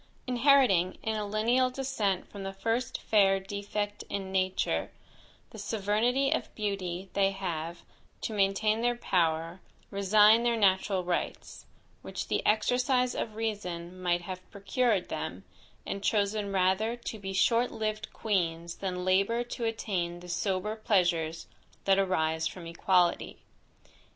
Inheriting, in a lineal descent from the first fair defect in nature, the sovereignty of beauty, they have, to maintain their power, resigned their natural rights, which the exercise of reason, might have procured them, and chosen rather to be short lived queens than labour to attain the sober pleasures that arise from equality.